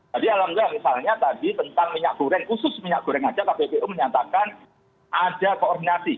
jadi alhamdulillah misalnya tadi tentang minyak goreng khusus minyak goreng aja kppu menyatakan ada koordinasi